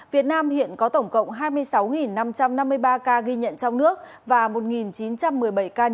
việt nam hiện có tổng cộng hai mươi sáu năm trăm năm mươi ba ca ghi nhận trong nước và một chín trăm một mươi bảy ca